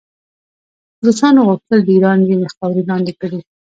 روسانو غوښتل د ایران ځینې خاورې لاندې کړي.